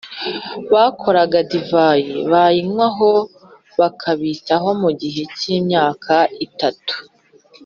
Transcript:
Bakoraga divayi yayinywaho bakabitaho mu gihe cy’ imyaka itatu